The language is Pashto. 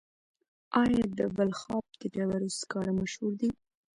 آیا د بلخاب د ډبرو سکاره مشهور دي؟